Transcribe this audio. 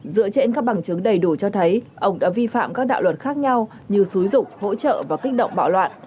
dựa trên các bằng chứng đầy đủ cho thấy ông đã vi phạm các đạo luật khác nhau như xúi rụng hỗ trợ và kích động bạo loạn